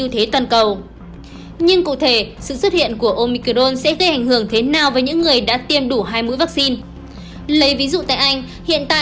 theo nguồn tin từ reuters